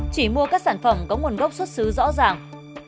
chỉ mua các sản phẩm có nguồn gốc xuất xứ rõ ràng